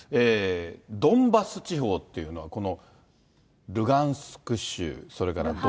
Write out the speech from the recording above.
ドンバス地方っていうのはこのルガンスク州、それから。